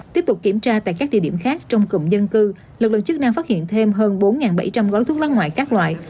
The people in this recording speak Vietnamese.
tiếp tục kiểm tra tại các địa điểm khác trong cụm dân cư lực lượng chức năng phát hiện thêm hơn bốn bảy trăm linh gói thuốc lá ngoại các loại